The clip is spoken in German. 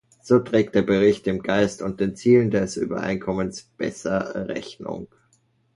So trägt der Bericht dem Geist und den Zielen des Übereinkommens besser Rechnung.